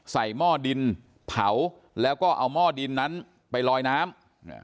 หม้อดินเผาแล้วก็เอาหม้อดินนั้นไปลอยน้ำ